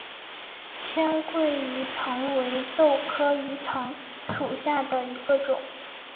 黔桂鱼藤为豆科鱼藤属下的一个种。